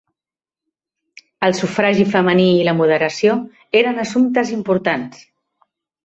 El sufragi femení i la moderació eren assumptes importants.